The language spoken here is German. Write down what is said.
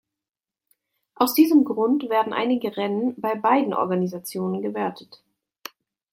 Aus diesem Grund werden einige Rennen bei beiden Organisationen gewertet.